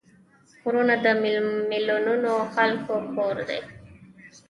غرونه د میلیونونو خلکو کور دی